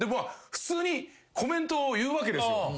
普通にコメントを言うわけですよ。